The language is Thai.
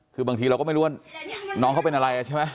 คือบางทีเราก็ไม่รู้ว่าน้องเขาเป็นอะไรใช่ไหม